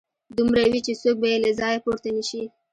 دومره وي چې څوک به يې له ځايه پورته نشي